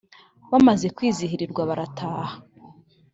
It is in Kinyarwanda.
bamaze kwizihirwa barataha